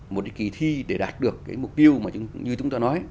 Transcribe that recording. một cái kỳ thi để đạt được cái mục tiêu mà như chúng ta nói